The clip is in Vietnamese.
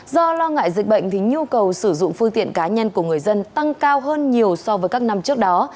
do lo ngại dịch bệnh thì nhu cầu sử dụng phương tiện cá nhân của người dân tăng cao hơn nhiều so với các năm trước đó